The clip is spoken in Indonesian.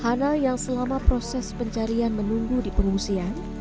hana yang selama proses pencarian menunggu di pengungsian